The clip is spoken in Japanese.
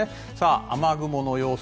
雨雲の様子